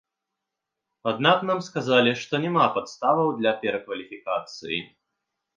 Аднак нам сказалі, што няма падставаў для перакваліфікацыі.